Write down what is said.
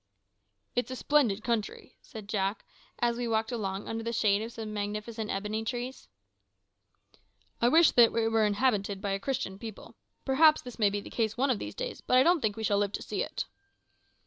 "It's a splendid country," said Jack, as we walked along under the shade of some magnificent ebony trees. "I wish that it were inhabited by a Christian people. Perhaps this may be the case one of these days, but I don't think we shall live to see it."